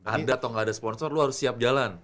gak ada atau gak ada sponsor lo harus siap jalan